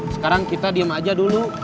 sekarang kita diem aja dulu